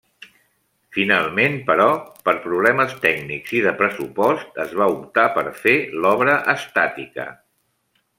Finalment, però, per problemes tècnics i de pressupost, es va optar per fer l'obra estàtica.